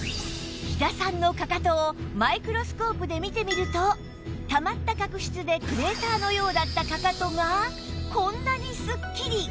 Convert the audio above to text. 飛騨さんのかかとをマイクロスコープで見てみるとたまった角質でクレーターのようだったかかとがこんなにすっきり！